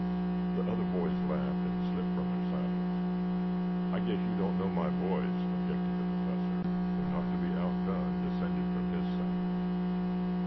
The other boys laughed and slipped from their saddles. "I guess you don't know my boys," objected the Professor, who, not to be outdone, descended from his saddle.